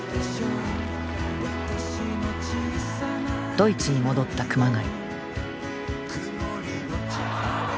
ドイツに戻った熊谷。